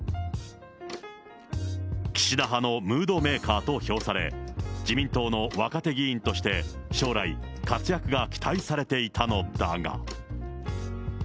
岸田派のムードメーカーと評され、自民党の若手議員として、将来、活躍が期待されていたのだが。